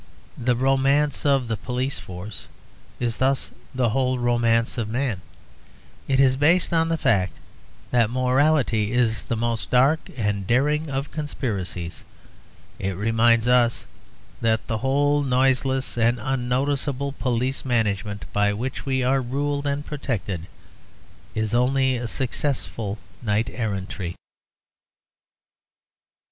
The romance of the police force is thus the whole romance of man. It is based on the fact that morality is the most dark and daring of conspiracies. It reminds us that the whole noiseless and unnoticeable police management by which we are ruled and protected is only a successful knight errantry.